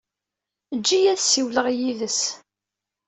Eǧǧ-iyi ad ssiwleɣ yid-s.